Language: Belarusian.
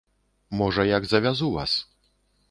Можа, як завязу вас.